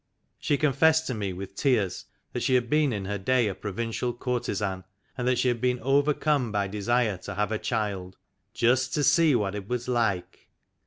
She confessed to me with tears that she had been in her day a provincial courtesan, and that she had been overcome by desire to have a child, " just to see what it was like."